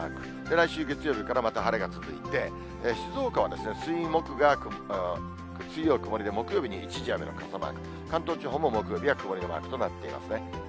来週月曜日からまた晴れが続いて、静岡は水、木が、水曜曇りで木曜日に一時雨の傘マーク、関東地方も木曜日は曇りマークとなっていますね。